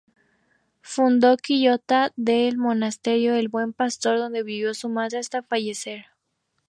Fundó en Quillota el monasterio del "Buen Pastor", donde vivió su madre hasta fallecer.